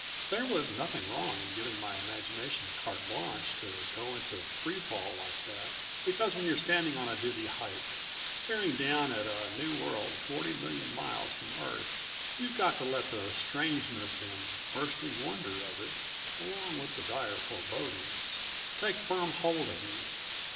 There was nothing wrong in giving my imagination carte blanche to go into free fall like that, because when you're standing on a dizzy height staring down at a new world forty million miles from Earth you've got to let the strangeness and bursting wonder of it ... along with the dire forebodings ... take firm hold of you.